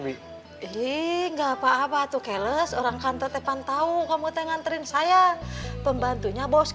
sebatas ujung lalu